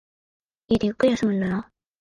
家でゆっくり休むんだな。